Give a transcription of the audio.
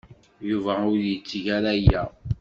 Yuba ur yetteg ara aya.